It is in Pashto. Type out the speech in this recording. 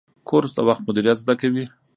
کورس د وخت مدیریت زده کوي.